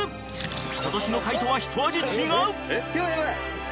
今年の海人はひと味違う。